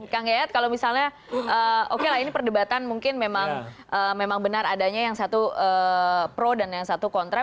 kang yayat kalau misalnya oke lah ini perdebatan mungkin memang benar adanya yang satu pro dan yang satu kontra